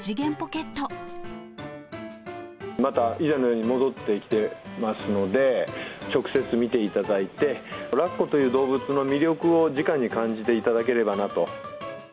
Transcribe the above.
また、以前のように戻ってきていますので、直接見ていただいて、ラッコという動物の魅力をじかに感じていただければなと。